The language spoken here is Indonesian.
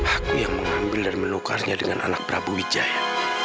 aku yang mengambil dan menukarnya dengan anak prabu wijaya